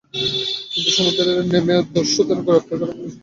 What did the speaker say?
কিন্তু সমুদ্রে নেমে দস্যুদের গ্রেপ্তার করা পুলিশের পক্ষে সম্ভব হচ্ছে না।